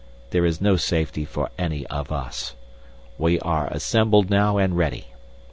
There is no safety for any of us. We are assembled now and ready."